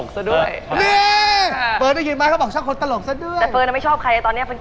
เสียวเนี้ย